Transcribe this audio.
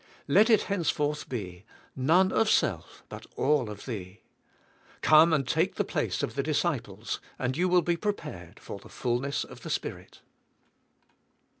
Let it henceforth be, "None of self but all of Thee?" Come and take the place of the disciples and you will be prepared for the fullness of the Spirit.